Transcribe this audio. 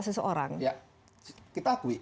seseorang kita akui